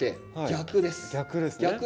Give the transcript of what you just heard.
逆ですね。